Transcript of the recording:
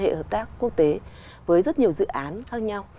mối quan hệ hợp tác quốc tế với rất nhiều dự án khác nhau